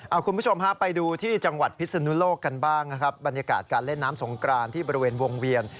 เอาคุณผู้ชมฮะไปดูที่จังหวัดพิศนุโลกกันบ้างนะครับบรรยากาศการเล่นน้ำสงกรานที่บริเวณวงเวียน